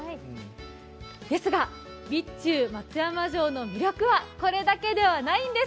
ですが備中松山城の魅力はこれだけではないんです。